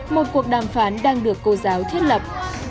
một cuộc đàm phán đang được cô giáo thiết lập